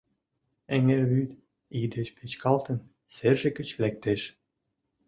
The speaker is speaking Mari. Эҥер вӱд, ий деч печкалтын, серже гыч лектеш.